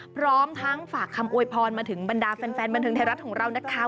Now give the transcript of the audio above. พร้อมทั้งฝากคำอวยพรมาถึงบรรดาแฟนบันเทิงไทยรัฐของเรานะคะ